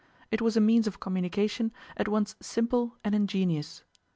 It was a means of communication at once simple and ingenious.